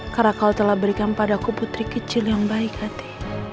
karena kau telah berikan padaku putri kecil yang baik hati